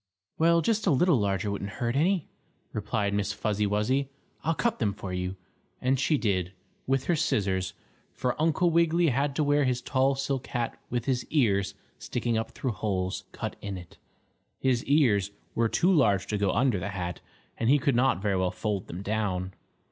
"Well, just a little larger wouldn't hurt any," replied Miss Fuzzy Wuzzy. "I'll cut them for you," and she did, with her scissors. For Uncle Wiggily had to wear his tall silk hat with his ears sticking up through holes cut in it. His ears were too large to go under the hat, and he could not very well fold them down.